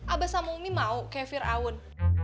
abah sama umi mau kayak fir'aun